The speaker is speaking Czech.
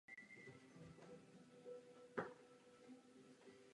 O mládí Heinricha Isaaca je jen málo známo.